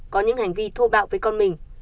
có những hành vi thô bạo với con mình